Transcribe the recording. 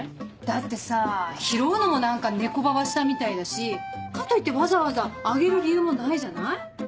だってさ拾うのも何かネコババしたみたいだしかといってわざわざあげる理由もないじゃない。